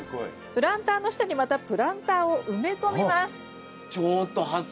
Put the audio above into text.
プランターの下にまたプランターを埋め込みます。